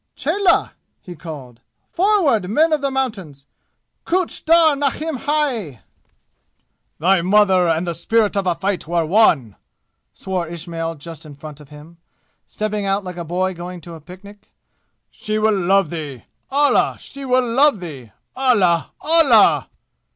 "Cheloh!" he called. "Forward, men of the mountains! Kuch dar nahin hai!" "Thy mother and the spirit of a fight were one!" swore Ismail just in front of him, stepping out like a boy going to a picnic. "She will love thee! Allah! She will love thee! Allah! Allah!"